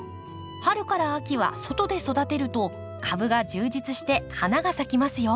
春から秋は外で育てると株が充実して花が咲きますよ。